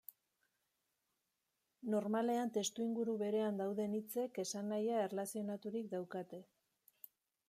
Normalean testuinguru berean dauden hitzek esanahia erlazionaturik daukate.